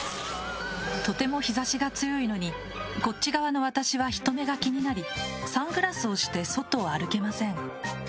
とても日差しが強いのにこっち側の私は人目が気になりサングラスをして外を歩けません。